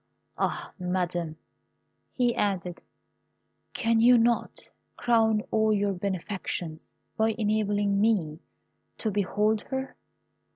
Ah, Madam," he added, "can you not crown all your benefactions by enabling me to behold her?"